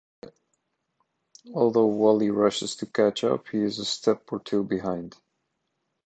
Although Wally rushes to catch up, he is a step or two behind.